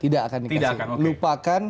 tidak akan dikasih lupakan